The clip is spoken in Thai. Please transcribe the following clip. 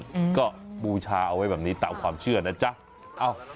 อืมก็บูชาเอาไว้แบบนี้ตามความเชื่อนะจ๊ะเอ้า